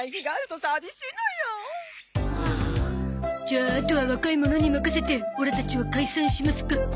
じゃあとは若い者に任せてオラたちは解散しますか。